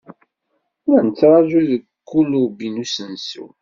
La nettṛaju deg ulubi n usensu.